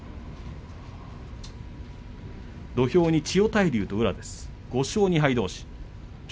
土俵は千代大龍と宇良です。